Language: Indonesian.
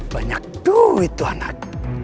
banyak duit tu anak